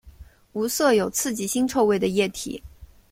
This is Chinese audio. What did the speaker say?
无色有刺激腥臭味的液体。